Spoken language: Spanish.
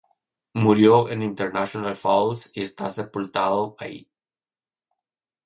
Murió en International Falls y está sepultado ahí.